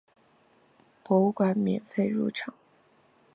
博物馆免费入场。